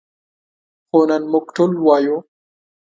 خو نن موږ ټول وایو.